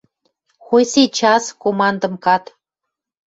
Хоть сейчас командым кад.